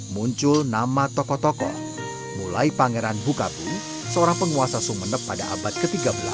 muncul nama tokoh tokoh mulai pangeran bukapu seorang penguasa sumeneb pada abad ke tiga belas